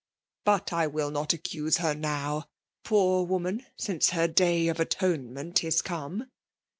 But I will not accuse her now, poor woman, since her day of atonement is come!